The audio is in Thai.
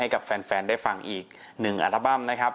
กับแฟนได้ฟังอีกหนึ่งอัลบั้มนะครับ